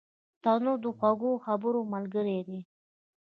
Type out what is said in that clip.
تنور د خوږو خبرو ملګری دی